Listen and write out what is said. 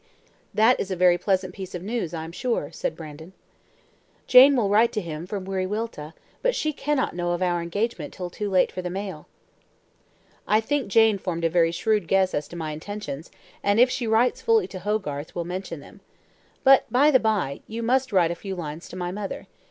"That is a very pleasant piece of news, I am sure," said Brandon. "Jane will write to him from Wiriwilta, but she cannot know of our engagement till too late for the mail." "I think Jane formed a very shrewd guess as to my intentions, and, if she writes fully to Hogarth, will mention them. But, by the by, you must write a few lines to my mother.